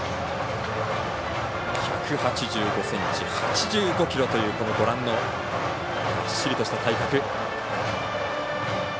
１８５ｃｍ、８５ｋｇというがっしりとした体格。